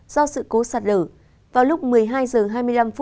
do sự cố sạt lở vào lúc một mươi hai h hai mươi năm